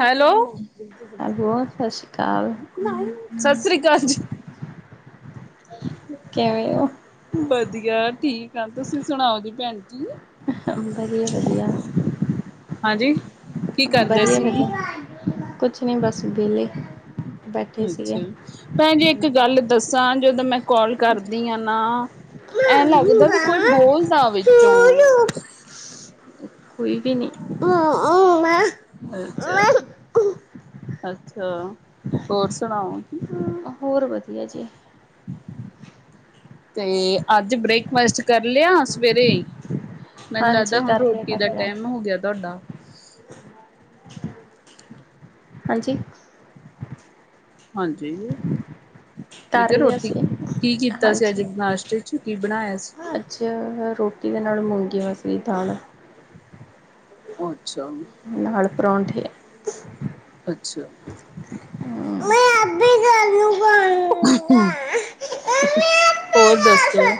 Hello. Hello ਸਤਿ ਸ਼੍ਰੀ ਅਕਾਲ ਸਤਿ ਸ੍ਰੀ ਅਕਾਲ ਜੀ। [inaudible] ਕਿਵੇਂ ਓ? ਵਧੀਆ ਠੀਕ ਆ, ਤੁਸੀਂ ਸੁਣਾਓ ਜੀ ਭੈਣ ਜੀ? ਵਧੀਆ- ਵਧੀਆ। ਹਾਂਜੀ, ਕੀ ਕਰਦੇ ਸੀ? ਕੁਝ ਨੀ ਬਸ ਵਿਹਾਲੇ। ਅੱਛਾ ਭੈਣ ਜੀ, ਇੱਕ ਗੱਲ ਦੱਸਾਂ ਜਦੋਂ ਮੈਂ ਕਾਲ ਕਰਦੀ ਆ ਨਾ ਐਂ ਲੱਗਦਾ ਵੀ ਕੋਈ ਬੋਲਦਾ ਵਿੱਚੋਂ ਕੋਈ ਵੀ ਨਹੀਂੈਂ। ਅੱਛਾ- ਅੱਛਾ। ਹੋਰ ਸੁਣਾਓ? ਹੋਰ ਵਧੀਆ ਜੀ। ਤੇ ਅੱਜ ਬ੍ਰੇਕਫਾਸਟ ਕਰ ਲਿਆ ਸਵੇਰੇ? ਮੈਨੂੰ ਲੱਗਦਾ ਹਾਂਜੀ ਹੁਣ ਕਰ ਲਿਆ ਰੋਟੀ ਕਰ ਦਾ ਲਿਆ ਟੈਮ ਹੋ ਗਿਆ ਤੁਹਾਡਾ। ਹਾਂਜੀ। ਹਾਂਜੀ। ਮੈਂ ਕਰ ਕਿਹਾ ਲਿਆ ਰੋਟੀ ਸੀ ਕੀ ਕੀਤਾ ਸੀ? ਅੱਜ ਹਾਂਜੀ ਨਾਸ਼ਤੇ ਚ ਕੀ ਬਣਾਇਆ ਸੀ? ਅੱਛਾ। ਰੋਟੀ ਦੇ ਨਾਲ ਮੂੰਗੀ ਹੋ ਸੀ ਦਾਲ। ਅੱਛਾ। ਨਾਲ ਪਰੋਂਠ। ਅੱਛਾ। ਹੋਰ ਦੱਸੋ?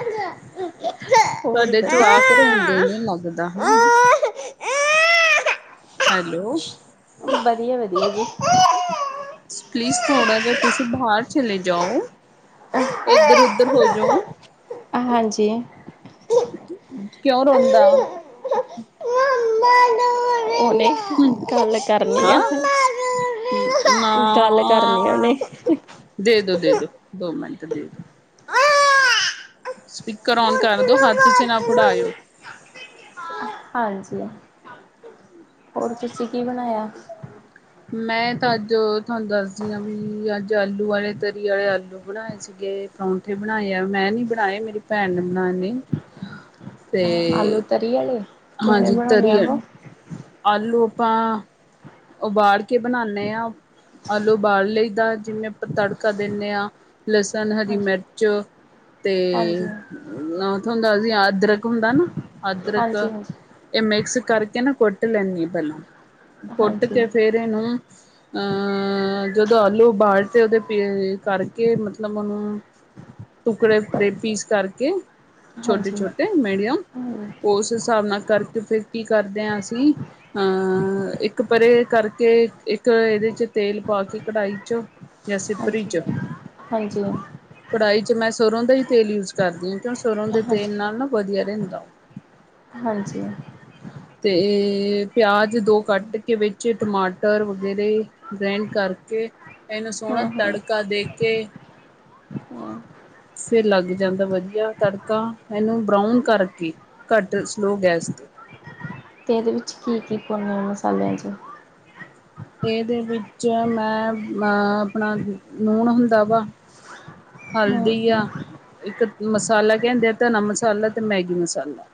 ਹੋਰ ਸਾਡੇ ਵਧੀਆ ਜਵਾਕ ਰੋਂਦੇ ਨੇ ਲੱਗਦਾ ਹਨਾ। ਹੈਲੋ। ਵਧੀਆ-ਵਧੀਆ ਜੀ। ਪਲੀਜ਼ ਥੋੜਾ ਜਿਹਾ ਤੁਸੀਂ ਬਾਹਰ ਚਲੇ ਜਾਓ ਇੱਧਰ ਉਧਰ ਹੋਜਓ। ਹਾਂਜੀ। ਕਿਉਂ ਰੋਂਦਾ? ਹ ਉਹਨੇ ਹੂੰ, ਗੱਲ ਕਰਨੀ ਹਾਂ ਆ ਨਾ ਗੱਲ ਕਰਨੀ ਉਨੇ ਦੇ ਦੋ, ਦੇ ਦੋ, ਦੋ ਮਿੰਟ ਦੇ ਦੋ ਸਪੀਕਰ ਔਨ ਕਰ ਦੋ, ਹੱਥ ਚ, ਨਾ ਫੜਾਓ ਹਾਂਜੀ ਹੋਰ ਤੁਸੀਂ ਕੀ ਬਣਾਇਆ ਮੈਂ ਤਾਂ ਅੱਜ ਤੁਹਾਨੂੰ ਦੱਸਦੀ ਹਾਂ ਵੀ ਅੱਜ ਆਲੂ ਆ ਤਰੀ ਆ ਆਲੂ ਬਣਾਏ ਸੀਗੇ ਬਣਾਈ ਆ ਮੈਂ ਨੀ ਬਣਾਏ ਮੇਰੀ ਭੈਣ ਨੇ ਬਣਾਣੇ ਆਲੂ ਤਰੀ ਵਾਲੇ ਕਿਵੇਂ ਹਾਂਜੀ ਬਣਾਉਣੇ ਤਰੀ ਆ ਉਹ ਆਲੂ ਪ ਉਬਾਲ ਕੇ ਬਣਾਉਦੇ ਹਾਂ ਆਲੂ ਉਬਾਲ ਲਈ ਦਾ ਜਿਵੇਂ ਆਪਾਂ ਤੜਕਾ ਦਿੰਦੇ ਹਾਂ ਲਸਣ ਹਰੀ ਹਾਂਜੀ ਮਿਰਚ ਹਾਂਜੀ ਤੇ, ਥੋਮ ਅਦਰਕ ਹੁੰਦਾ ਨਾ ਅਦਰਕ ਹਾਂਜੀ ਇਹ ਮਿਕਸ ਕਰਕੇ ਨਾ ਕੁੱਟ ਲੈਂਣੀ ਆ ਪਹਿਲਾਂ ਹਾਂਜੀ ਫਿਰ ਇਨੂੰ ਅਹ ਜਦੋਂ ਆਲੂ ਉਬਾਲ ਤੇ ਉਹਦੇ ਪੀ ਕਰਕੇ ਮਤਲਬ ਉਹਨੂੰ ਟੁਕੜੇੇ ਪੀਸ ਕਰਕੇ ਹਾਂਜੀ ਛੋਟੇ-ਛੋਟੇ ਮੀਡੀਅਮ ਹਾਂਜੀ ਉਸ ਹਿਸਾਬ ਨਾਲ ਕਰਕੇ ਫਿਰ ਕੀ ਕਰਦੇ ਹਾਂ ਅਸੀਂ ਅਹ ਇੱਕ ਪਰੇ ਕਰਕੇ ਇੱਕ ਇਹਦੇ ਚ, ਤੇਲ ਪਾ, ਕੇ ਕਢਾਹੀ ਚੋਂ ਕੈਸੇ ਪ੍ਰੀਤ ਹਾਂਜੀ ਕੜਾਹੀ ' ਮੈਂ ਸਰ੍ਹੋਂ ਦਾ ਹੀ ਤੇਲ ਯੂਜ ਕਰਦੀ ਹਾਂ ਕਿਉਂ ਸਰ੍ਹੋਂ ਦੇ ਹਾਂਜੀ ਤੇਲ ਨਾਲ ਨਾ ਵਧੀਆ ਰਹਿੰਦਾ ਉਹ ਹਾਂਜੀ ਤੇ ਪਿਆਜ ਦੋ ਕੱਟ ਕੇ, ਵਿੱਚ ਟਮਾਟਰ ਵਗੈਰੇ ਗ੍ਰੈਂਡ ਕਰਕੇ ਇਹਨੂੰ ਹੂੰ ਸੋਹਣਾ ਹੂੰ ਤੜਕਾ ਦੇ ਅਤੇ ਵ ਫਿਰ ਲੱਗ ਜਾਂਦਾ। ਵਧੀਆ ਤੜਕਾ ਇਹਨੂੰ ਬਰਾਊਨ ਕਰਕੇ ਘੱਟ ਸਲੋ ਗੈਸ ਤੇ ਅਤੇ ਇਹਦੇ ਵਿੱਚ ਕੀ-ਕੀ ਪਾਉਂਦੇ ਹ ਮਸਾਲਿਆਂ 'ਚ ਇਹਦੇ ਵਿੱਚ ਮੈਂ ਆਪਣਾ ਲੂਣ ਹੁੰਦਾ ਵਾ, ਹੂੰ ਹਲਦੀ ਆ ਹੂੰ ਇੱਕ ਮਸਾਲਾ ਕਹਿੰਦੇ ਆ। ਧਨਾ ਮਸਾਲਾ ਤੇ ਮੈਗੀ ਮਸਾਲਾ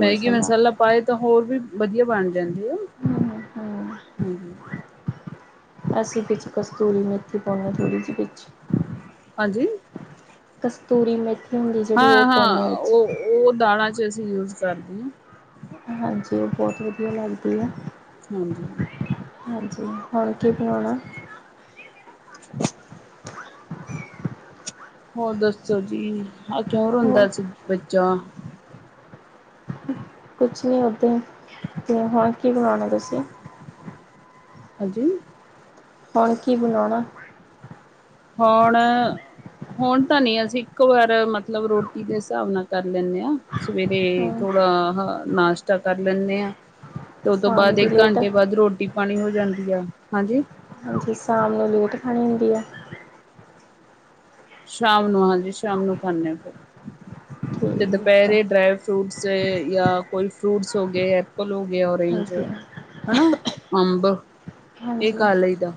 ਮੈਗੀ ਮਸਾਲਾ ਪਾਏ ਤਾਂ ਹੋਰ ਵੀ, ਵਧੀਆ ਬਣ ਜਾਂਦੇ ਆ। ਹੂੰ ਹੂੰ ਹਾਂਜੀ ਅਸੀਂ ਵਿੱਚ ਕਸਤੂਰੀ ਮੇਥੀ ਪਾਉਦੇ ਥੜ੍ਹੀ ਜਿਹੀ ਵਿੱਚ ਹਾਂਜੀ ਕਸਤੂਰੀ ਮੇਥੀ ਹੁੰਦੀ ਜਿਹੜੀ ਉਹ ਹਾਂ ਹਾਂ ਪਾਉਂਦੇ ਆ ਵਿੱਚ ਉਹ ਉਹ ਦਾਲਾਂ ਚ, ਅਸੀਂ ਯੂਜ ਕਰਦੇ ਹਾਂ। ਹਾਂਜੀ ਉਹ ਬਹੁਤ ਵਧੀਆ ਲੱਗਦੀ ਆ। ਹਾਂਜੀ-ਹਾਂਜੀ ਹਾਂਜੀ ਹੋਰ ਕੀ, ਬਣਾਉਣਾ ਹੋਰ ਦੱਸੋ ਜੀ, ਆਹ ਕਿਉ ਹੋਰ ਰੋਂਦਾ ਸੀ ਬੱਚਾ ਕੁਛ ਨਹੀ ਓਹ ਤੇ ਹੁਣ ਕੀ ਬਣਾਉਣਾ ਤੁਸੀਂ? ਹਾਂਜੀ। ਹੁਣ ਕੀ ਬਣਾਉਣਾ? ਹੁਣ, ਹੁਣ ਤਾਂ ਨੀ ਅਸੀਂ ਇੱਕੋ ਵਾਰ ਮਤਲਬ ਰੋਟੀ ਦੇ ਹਿਸਾਬ ਨਾਲ ਕਰ ਲੈਂਣੇ ਹਾਂ। ਸਵੇਰੇ ਹਮ ਥੋੜ੍ਹਾ ਨਾਸ਼ਤਾ ਕਰ ਲੈਂਣੇ ਹਾਂ। ਤੇ ਉਹ ਤੋਂ ਸ਼ਾਮ ਬਾਅਦ ਦੀ ਇੱਕ ਲੇਟ ਘੰਟੇ ਬਾਅਦ ਰੋਟੀ ਪਾਣੀ ਹੋ ਜਾਂਦੀ ਆ, ਹਾਂਜੀ। ਹਾਂਜੀ, ਸ਼ਾਮ ਨੂੰ ਲੇਟ ਖਾਣੀ ਹੁੰਦੀ ਹੈ। ਸ਼ਾਮ ਨੂੰ ਹਾਂਜੀ ਸ਼ਾਮ ਨੂੰ ਖਾਣੇ ਆ ਫਿਰ। ਤੇ ਠੀਕ ਆ ਦੁਪਹਿਰੇ ਡਰਾਈ ਫਰੂਟਸ ਜਾਂ ਕੋਈ ਫਰੂਟਸ ਹੋ ਗਏ। ਐਪਲ ਹੋ ਗਿਆ ਓਰੇਂਜ ਹਾਂਜੀ ਹਨਾ ਅੰਬ ਇਹ ਹਾਂਜੀ ਖਾ ਲਈਦਾ।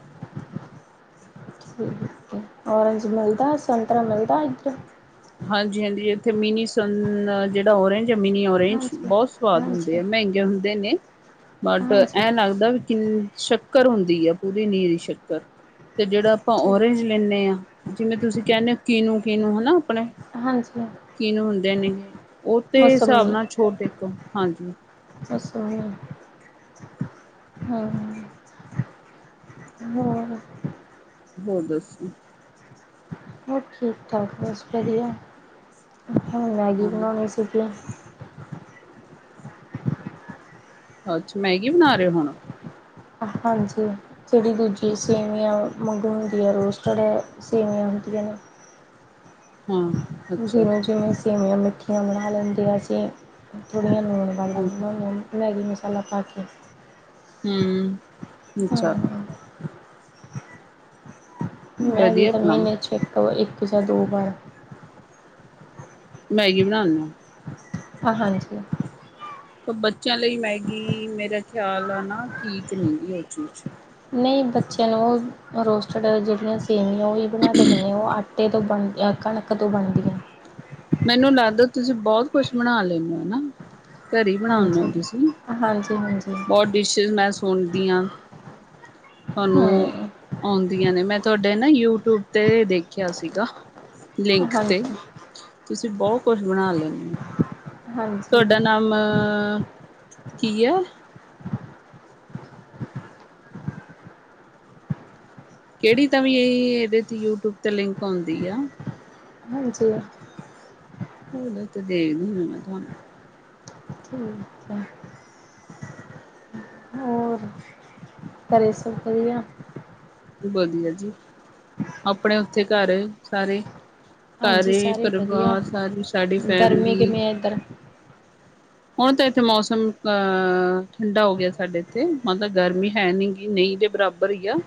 ਠੀਕ, ਔਰਿੰਜ ਮਿਲਦਾ ਸੰਤਰਾ ਮਿਲਦਾ ਇੱਕ, ਹਾਂਜੀ-ਹਾਂਜੀ, ਇੱਥੇ ਮਿਨੀ ਸਨ ਜਿਹੜਾ ਔਰਿੰਜ ਆ ਮਿਨੀ ਔਰਿੰਜ ਹਾਂਜੀ ਬਹੁਤ, ਸਵਾਦ ਹੁੰਦੇ ਹਾਂਜੀ ਆ ਮਹਿੰਗੇ ਹੁੰਦੇ ਨੇ। ਬਟ ਹਾਂਜੀ ਐ ਲੱਗਦਾ ਵੀ ਕਿੰ ਸ਼ੱਕਰ ਹੁੰਦੀ ਆ ਪੂਰੀ ਨਿਰੀ ਦੀ ਸ਼ੱਕਰ। ਤੇ ਜਿਹੜਾ ਆਪਾਂ ਠੀਕ ਔਰਿੰਜ ਲੈਂਣੇ ਹਾਂ ਜਿਵੇਂ ਤੁਸੀਂ ਕਹਿੰਦੇ ਹੋ ਕੀਨੂੰ-ਕੀਨੂ ਹਨਾ ਆਪਣੇ, ਹਾਂਜੀ-ਹਾਂ ਕੀਨੂ ਹੁੰਦੇ ਨੇ ਉਹਦੇ ਹਿਸਾਬ ਮੌਸਮੀ ਨਾਲ ਛੋਟ ਦੇਖ ਹਾਂਜੀ। ਬੱਸ ਓਹੀ ਹਾ। ਹਾਂ। ਹੋਰ ਦੱਸੋ? ਬਸ ਠੀਕ ਠਾਕ ਬਸ ਵਧੀਆ ਹੋਣ ਮੈਗੀ ਹਾਂਜੀ ਬਣਾਉਣੀ ਸਿੱਖ ਲਾ ਅੱਛਾ ਮੈਗੀ ਬਣਾ ਰਹੇ ਹੋ ਹੁਣ, ਹਾਂਜੀ। ਜਿਹੜੀ ਦੂਜੀ ਸੇਵੀਆਂ ਮਾਗੁ ਹੁੰਦੀ ਹੈ ਰੋਸਟਡ ਸੇਵੀਆਂ ਹੁੰਦੀਆਂ ਨੇ। ਹਾਂ। ਅੱਛਾ ਜਿਵੇਂ-ਜਿਵੇਂ ਸੇਵੀਆਂ ਮਿੱਠੀਆਂ ਬਣਾ ਲੈਂਦੇ ਅਸੀਂ ਥੋੜ੍ਹੀਆਂ ਲੂਣ ਹਾਂਜੀ ਮ ਲੂਣ ਲੈਗੀ ਮਸ਼ਾਲਾ ਪਾ ਕੇ। ਹੂੰ, ਹਾਂ ਅੱਛਾ। ਮੈਂਗੀ ਵਧੀਆ ਤਾਂ ਆਪਣਾ ਮਹੀਨੇ ਚ ਇੱਕਵਾ ਇੱਕ ਜਾ ਦੋ ਬਾਰ। ਮੈਗੀ ਬਣਾਣ ਨੂੰ, ਆਹ ਹਾਂਜੀ। ਬੱਚਿਆਂ ਲਈ ਮੈਗੀ ਮੇਰਾ ਖਿਆਲ ਆ ਨਾ ਠੀਕ ਨਹੀ ਹੈਗੀ ਉਹ ਚੀਜ਼। ਨਈ ਬੱਚਿਆਂ ਨੂੰ ਰੋਸਟਡ ਜਿਹੜੀਆਂ ਸੇਵੀਆਂ ਉਹ ਵੀ ਬਣਾ ਕੇ ਦਿੰਦੇ ਉਹ ਆਟਾ ਆਟੇ ਤੋਂ ਬਣਦੀਆ ਕਣਕ ਤੋਂ ਬਣਦੀਆ। ਮੈਨੂੰ ਲੱਗਦਾ ਤੁਸੀਂ ਬਹੁਤ ਕੁਛ ਬਣਾ ਲੈਣੇ ਓ ਹਨਾ। ਘਰ ਹੀ ਬਣਾਉਂਣੇ ਹੋ ਹਾਂਜੀ ਤੁਸੀਂ ਹਾਂਜੀ ਹਾਂਜੀ ਬਹੁਤ ਡਿਸ਼ਿਸ ਮੈਂ ਸੁਣਦੀ ਹਾਂ ਹੂੰ, ਤੁਹਾਨੂੰ, ਹਾਂਜੀ, ਆਉਂਦੀਆਂ ਨੇ ਮੈਂ ਤੁਹਾਡੇ ਨਾ ਯੂਟਿਊਬ ਤੇ ਦੇਖਿਆ ਸੀਗਾ ਲਿੰਕ ਤੇ, ਤੁਸੀਂ ਬਹੁਤ ਕੁਛ ਬਣਾ ਲੈਂਦੇ ਹੋ, ਹਾਂਜੀ, ਤੁਹਾਡਾ ਨਾਮ ਕੀ ਆ? ਕਿਹੜੀ ਤਾਂ ਵੀ ਇਹਦੇ ਯੂਟਿਊਬ ਤੇ ਲਿੰਕ ਆਉਂਦੀ ਆ। ਹਾਂਜੀ। ਫੋਨ ਤੇ ਦੇਖ ਰਹੀ ਮੈਂ ਤੁਹਾਨੂੰ। ਠੀਕ ਹੈ। ਹੋਰ ਕਰੇ ਸਬ ਵਧੀਆ? ਬਦਿਆ ਜੀ, ਆਪਣੇ ਉੱਥੇ ਘਰ ਸਾਰੇ ਹਾਂਜੀ ਘਰੇ ਸਾਰੇ ਵਧੀਆ, ਪਰਿਵਾਰ, ਸਾਰੀ ਸਾਡੀ ਗਰਮੀ ਫੈਮਲੀ ਕਿਵੇਂ ਹੈ ਇੱਧਰ? ਹੁਣ ਤਾਂ ਇੱਥੇ ਮੌਸਮ ਅ, ਠੰਡਾ ਹੋ ਗਿਆ ਸਾਡੇ ਇੱਥੇ, ਮਤਬ ਗਰਮੀ ਹੈਨੀ ਗੀ ਨਹੀਂ ਦੇ ਬਰਾਬਰ ਹੀ ਆ।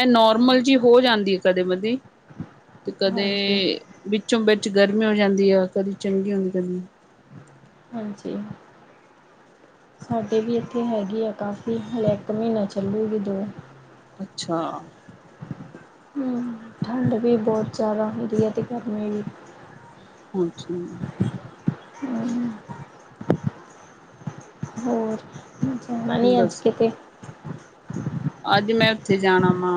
ਇਹ ਨੋਰਮਲ ਜਿ ਹੋ ਜਾਂਦੀ ਕਦੇ ਮਦੀ, ਤੇ ਕਦੇ ਹਾਂਜੀ, ਵਿੱਚੋਂ ਵਿੱਚ ਗਰਮੀ ਹੋ ਜਾਂਦੀ ਆ। ਕਦੀ ਚੰਗੀ ਹੁੰਦੀ, ਕਦੀ ਹਾਂਜੀ। ਸਾਡੇ ਵੀ ਇੱਥੇ ਹੈਗੀ ਆ ਕਾਫ਼ੀ, ਹਲੇੇ ਇੱਕ ਮਹੀਨਾ ਚੱਲੂਗੀ ਦੋ ਅੱਛਾ। ਹਮ। ਠੰਡ ਵੀ ਬਹੁਤ ਜ਼ਿਆਦਾ ਹੁੰਂਦੀ ਹੈ, ਤੇ ਗਰਮੀ ਵੀ। ਅੱਛਾ। ਹਮ। ਮ ਨਹੀਂ, ਅੱਜ ਦੱਸ ਕਿ ਤੇ ਅੱਜ ਮੈਂ, ਉੱਥੇ ਜਾਣਾ ਵਾ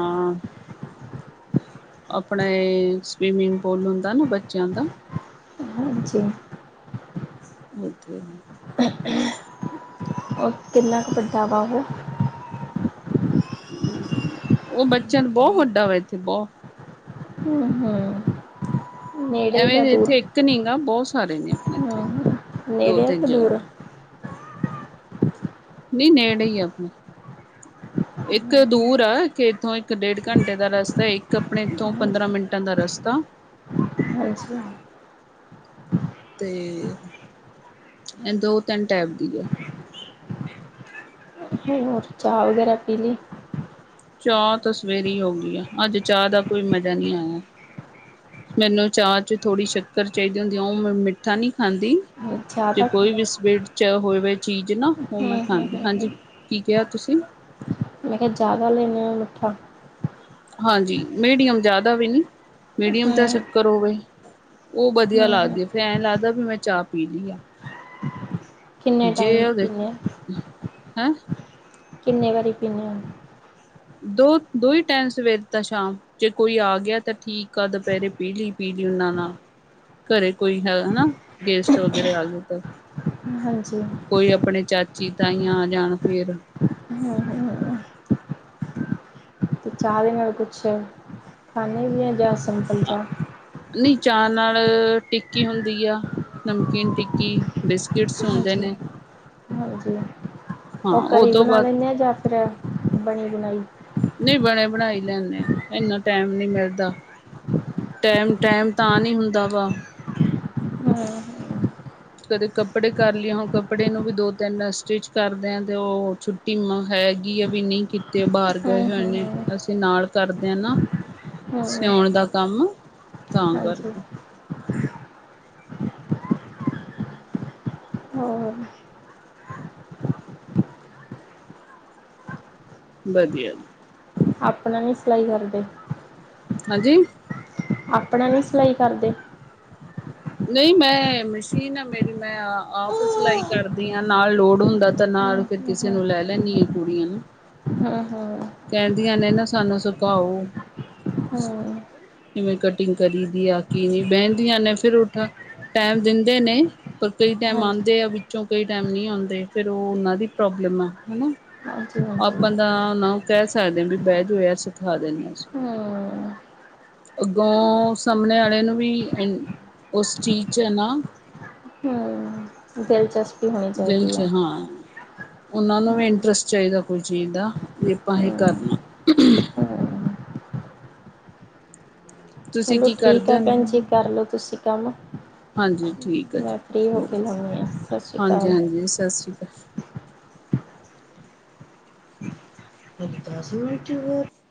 ਆਪਣੇ, ਇਹ ਸਵੀਮਿੰਗ ਪੂਲ ਹੁੰਦਾ ਨਾ ਬੱਚਿਆਂ ਦਾ ਹਾਂਜੀ। ਉੱਥੇ ਕਿੰਨਾ 'ਕੁ, ਵੱਡਾ ਬਾਬੂ? ਹ ਉਹ ਬੱਚਿਆਂ, ਬਹੁਤ ਵੱਡਾ ਵਾ ਇੱਥੇ ਬਹੁਤ ਹਮ, ਹਮ। ਐਵੇਂ ਇੱਥੇ ਇੱਕ ਨਹੀਂ ਗਾ, ਬਹੁਤ ਸਾਰੇ ਨੇ ਆਪਣੇ ਹੂੰ, ਇੱਥੇ, ਹੂੰ। ਦੋ ਨੇੜੇ ਆ ਤਿੰਨ ਕਿ ਜਗ੍ਹਾ। ਦੂਰ? ਨਹੀਂ, ਨੇੜੇ ਹੀ ਆਪਣੇ। ਹ- ਇੱਕ ਦੂਰ ਆ, ਕਿ ਇੱਥੋਂ ਇੱਕ ਡੇਢ ਘੰਟੇ ਦਾ ਰਸਤਾ ਹੈ। ਇੱਕ ਆਪਣੇ ਇੱਥੋਂ, ਪੰਦਰਾਂ ਮਿੰਟਾਂ ਦਾ ਰਸਤਾ। ਅੱਛਾ। ਤੇ, ਇਹ ਦੋ ਤਿੰਨ ਟਾਈਪ ਦੀ ਆ। ਹੋਰ, ਚਾਹ ਵਗੈਰਾ ਪੀ ਲਈ? ਚਾਹ ਤਾਂ ਸਵੇਰੇ ਹੋ ਗਈ ਆ, ਅੱਜ ਚਾਹ ਦਾ ਕੋਈ ਮਜ਼ਾ ਨਹੀਂ ਆਇਆ। ਮੈਨੂੰ ਚਾਹ 'ਚ, ਥੋੜ੍ਹੀ ਸ਼ੱਕਰ ਚਾਹੀਦੀ ਹੁੰਦੀ ਆ। ਉਹ ਮੈਂ ਮਿੱਠਾ ਨਹੀਂ ਖਾਂਦੀ। ਜੇ ਜ਼ਿਆਦਾ ਹੂੰ ਕੋਈ ਵਿ ਸਵੀਟ 'ਚ ਹੋਵੇ ਚੀਜ਼ ਨਾ, ਉਹ ਮੈਂ ਹੂੰ ਖਾਂਦੀ। ਹੂੰ ਹਾਂਜੀ ਹੂੰ ਕੀ ਕਿਹਾ ਤੁਸੀਂ? ਮੈਂ ਕਿਹਾ, ਜਿਆਦਾ ਲੈਣੇ ਹ ਮੱਠਾ? ਹਾਂਜੀ, ਮੀਡੀਅਮ ਜ਼ਿਆਦਾ ਵੀ ਨਹੀਂ, ਮੀਡੀਅਮ ਦਾ ਹੂੰ ਸ਼ੱਕਰ ਹੋਵੇ। ਉਹ ਵਧੀਆ ਹੂੰ ਹੂੰ ਲੱਗਦੀ ਹੈ, ਫਿਰ ਐਂ ਲੱਗਦਾ ਵੀ ਮੈਂ ਚਾਹ ਪੀ ਲਈ ਆ। ਕਿੰਨੇ ਜੇ ਟਾਈਮ ਉਹਦੇ, ਪੀਂਦੇ ਹੈਂ? ਕਿੰਨੇ ਵਾਰੀ ਪੀੇਨੇ ਹੋ? ਦੋ-ਦੋ ਹੀ ਟਾਈਮ, ਸਵੇਰ ਤਾਂ ਸ਼ਾਮ। ਜੇ ਕੋਈ ਆ ਗਿਆ ਤਾਂ ਠੀਕ ਆ, ਦੁਪਹਿਰੇ ਪੀਲੀ-ਪੀਲੀ ਉਹਨਾਂ ਨਾਲ। ਘਰੇ ਕੋਈ ਹੈ ਹਨਾ, ਗੇਸਟ ਵਗੈਰੇ ਆ ਗਏ। ਹਾਂਜੀ। ਕੋਈ ਆਪਣੇ ਚਾਚੀ, ਤਾਈਆਂ ਆ ਜਾਣ ਫੇਰ ਹੂੰ - ਹੂੰ। ਤੇ ਚਾਅ ਦੇ ਨਾਲ ਕੁਛ ਖਾਨੇ ਵੀ ਓ ਯਾਂ ਸਿੰਪਲ ਚਾਅ? ਨਈ ਚਾਅ ਨਾਲ ਟਿੱਕੀ ਹੁੰਦੀ ਆ, ਨਮਕੀਨ ਟਿੱਕੀ, ਬਿਸਕਿਟਸ ਹੁੰਦੇ ਹਾਂਜੀ ਨੇ। ਹਾਂਜੀ, ਹਾਂ ਓ ਉਹ ਘਰੇ ਈ ਤੋਂ ਬਣਾ ਬਾਅਦ ਲੈਂਨੇ ਆ ਯਾਂ ਫਿਰ ਬਣੀ- ਬੁਨਾਈ? ਨਈ ਬਣੇ- ਬਣਾਈ ਲੈਂਨੇ ਆ ਏਨਾ ਟੈਮ ਨੀ ਮਿਲਦਾ। ਟੈਮ-ਟੈਮ ਤਾਂ ਨੀ ਹੁੰਦਾ ਵਾ ਹਾਂ। ਕਦੇ ਕੱਪੜੇ ਕਰ ਲਈਏ, ਹੁਣ ਕੱਪੜੇ ਨੂੰ ਵੀ ਦੋ-ਤਿੰਨ ਸਟਿਚ ਕਰਦੇ ਆ ਤੇ ਓ ਛੁੱਟੀਆਂ ਟੀਮਾ ਹੈਗੀ ਆ ਵੀ ਨਈ ਕੀਤੇ ਬਾਰ ਗਏ ਹੂੰ ਹੋਏ ਨੇ, ਹੂੰ ਅਸੀਂ ਨਾਲ ਕਰਦੇ ਆ ਨਾ। ਹੂੰ ਸਿਓਣ ਦਾ ਕੰਮ, ਤਾਂ ਹਾਂਜੀ ਕਰਕੇ। ਹੋਰ ਵਧੀਆ ਜੀ। ਅਪਣਾ ਨੀ ਸਿਲਾਈ ਕਰਦੇ? ਹਾਂਜੀ। ਆਪਣਾ ਨੀ ਸਿਲਾਈ ਕਰਦੇ? ਨਈ ਮੈਂ, ਮਸ਼ੀਨ ਆ ਮੇਰੀ, ਮੈਂ ਆਪ ਸਿਲਾਈ ਕਰਦੀ ਆ। ਨਾਲ ਲੋੜ ਹੁੰਦਾ ਤਾਂ ਨਾਲ ਫੇਰ ਕਿਸੇ ਨੂੰ ਲੈ ਲੈਂਨੀ ਆ, ਕੁੜੀਆਂ ਨੂੰ। ਹਾਂ - ਹਾਂ। ਕੈਂਦੀਆਂ ਨੇ ਨਾ ਸਾਨੂੰ ਸਕਾਓ। ਕਿਵੇਂ ਕਟਿੰਗ ਕਰੀ ਦੀ ਆ ਕਿ ਨੀ। ਬੈਂਦੀਆਂ ਨੇ ਫਿਰ ਉਠਾ ਟੈਮ ਦਿੰਦੇ ਨੇ। ਪਰ ਕਈ ਟੈਮ ਹਾਂਜੀ। ਆਂਦੇ ਆ ਵਿੱਚੋਂ ਕਈ ਟੈਮ ਨੀ ਆਂਦੇ ਫਿਰ ਓ ਉਨਾਂ ਦੀ ਪ੍ਰੋਬਲਮ ਆ, ਹਨਾ। ਹਾਂ। ਆਪਾਂ ਦਾ ਉਨਾਂ ਨੂੰ ਕੈ ਸਕਦੇ ਆ ਵੀ ਬੈਜੋ, ਜੋ ਹੋਇਆ ਸਿਖਾ ਦਿੰਨੇ ਆ ਅਸੀਂ। ਹੂੰ-ਹੂੰ, ਅੱਗੋਂ ਸਾਮਣੇ ਆਲੇ ਨੂੰ ਵੀ ਇਨ ਓ ਸਟੀਚ ਐ ਨਾ। ਹੂੰ, ਦਿਲਚਸਪੀ ਹੋਣੀ ਚਾਈਦੀ ਐ। ਓਨਾਂ ਨੂੰ ਵੀ ਇੰਟਰਸਟ ਚਾਈਦਾ ਕੋਈ ਚੀਜ਼ ਦਾ, ਵੀ ਆਪਾਂ ਏਹ ਹੂੰ-ਹੂੰ-ਹੂੰ, ਕਰਨਾ। ਤੁਸੀਂ ਚਲੋ ਕੀ ਠੀਕ ਕਰਦੇ ਐ ਭੈਨ ਹੋ ਜੀ, ਕਰਲੋ ਤੁਸੀਂ ਕੰਮ। ਹਾਂਜੀ, ਠੀਕ ਆ ਮੈਂ ਫ੍ਰੀ ਜੀ ਹੋ ਓ। ਕੇ ਲਾਉਣੀ ਆ, ਸਤਿ ਸ਼੍ਰੀ ਅਕਾਲ। ਹਾਂਜੀ- ਹਜੇ ਹਾਂਜੀ ਸਸ਼੍ਰੀ ਕਾਲ। ਹਲੇ ਦਸ ਮਿੰਟ ਈ ਹੋਏ ਆ।